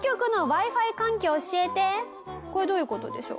これどういう事でしょう？